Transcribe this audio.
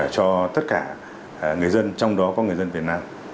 cho tất cả người dân trong đó có người dân việt nam